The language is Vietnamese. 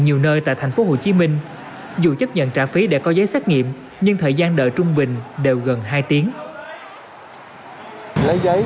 nhiều nơi tại tp hcm dù chấp nhận trả phí để có giấy xét nghiệm nhưng thời gian đợi trung bình đều gần hai tiếng